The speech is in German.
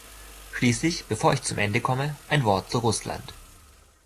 Schließlich, bevor ich zum Ende komme, ein Wort zu Russland.